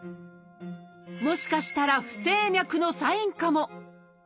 もしかしたら「不整脈」のサインかも。